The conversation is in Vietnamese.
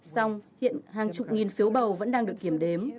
xong hiện hàng chục nghìn phiếu bầu vẫn đang được kiểm đếm